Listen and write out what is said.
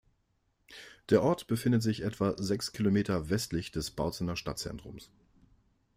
Der Ort befindet sich etwa sechs Kilometer westlich des Bautzener Stadtzentrums.